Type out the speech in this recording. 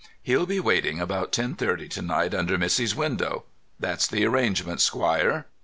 'He'll be waiting about ten thirty to night, under missy's window. That's the arrangement, squire.